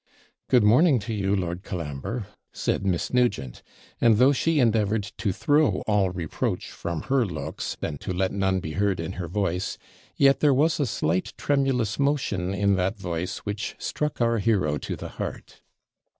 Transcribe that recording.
'Good morning to you, Lord Colambre,' said Miss Nugent; and though she endeavoured to throw all reproach from her looks, and to let none be heard in her voice, yet there was a slight tremulous motion in that voice which struck our hero to the heart.